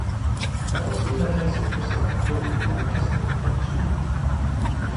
Tato zvířata jsou pro své okolí jen dočasně infekční.